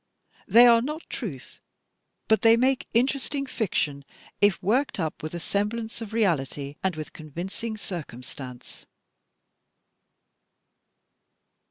They are not truth, but they make interesting fiction, if worked up with a semblance of reality and with convincing circumstance.